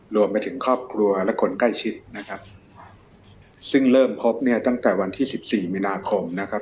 รวมไปถึงครอบครัวและคนใกล้ชิดนะครับซึ่งเริ่มพบเนี่ยตั้งแต่วันที่สิบสี่มีนาคมนะครับ